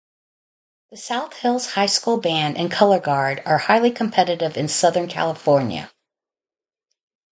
The South Hills High School Band and Colorguard are highly competitive in Southern California.